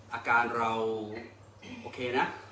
อาการเราโอเคนะ